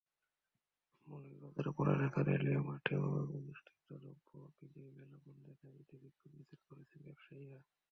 মৌলভীবাজারের বড়লেখায় রেলওয়ে মাঠে অনুষ্ঠিতব্য বিজয় মেলা বন্ধের দাবিতে বিক্ষোভ মিছিল করেছেন ব্যবসায়ীরা।